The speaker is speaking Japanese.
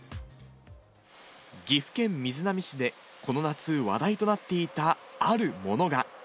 岐阜県瑞浪市で、この夏、話題となっていたあるものが。